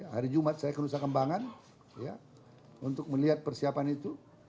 hari jumat saya ke nusa kembangan untuk melihat persiapan itu